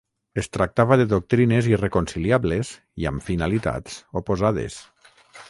Es tractava de doctrines irreconciliables i amb finalitats oposades.